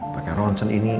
pakai ronsen ini